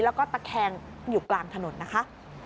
แล้วก็ตะแคงอยู่กลางถนนนะคะ